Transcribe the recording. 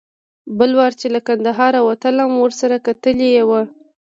بل وار چې له کندهاره وتلم ورسره کتلي و.